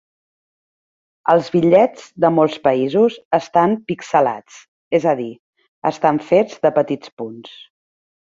Els bitllets de molts països estan pixelats; és a dir, estan fets de petits punts.